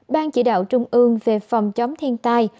ban chỉ đạo trung ương về phòng chống thiên tai